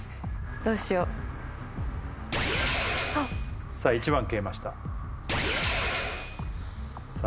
どうしようあっさあ１番消えましたさあ